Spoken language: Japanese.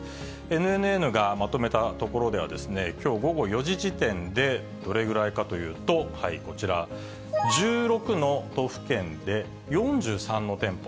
ＮＮＮがまとめたところでは、きょう午後４時時点でどれぐらいかというと、こちら、１６の都府県で４３の店舗。